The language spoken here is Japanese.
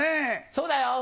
そうだよ。